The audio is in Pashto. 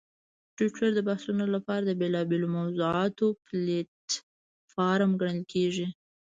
ټویټر د بحثونو لپاره د بېلابېلو موضوعاتو پلیټفارم ګڼل کېږي.